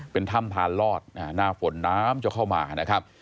เป็นถ้ำพานลอดหน้าฝนน้ำจะเข้ามานะครับ